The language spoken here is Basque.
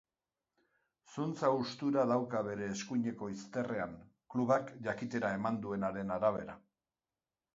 Zuntz haustura dauka bere eskuineko izterrean, klubak jakitera eman duenaren arabera.